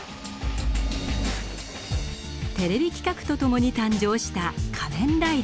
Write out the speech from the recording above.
テレビ企画と共に誕生した「仮面ライダー」。